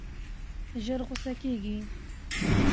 ژر غوسه کېږي.